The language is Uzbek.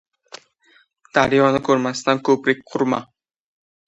• Daryoni ko‘rmasdan ko‘prik qurma.